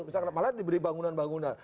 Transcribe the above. misalnya malah diberi bangunan bangunan